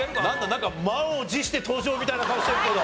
なんか満を持して登場みたいな顔してるけど。